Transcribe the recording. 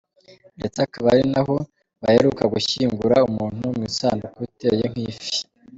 Ndetse akaba ari naho baheruka gushyingura umuntu mu isanduku iteye nk’ifi.